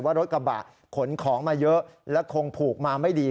ว่ารถกระบะขนของมาเยอะและคงผูกมาไม่ดี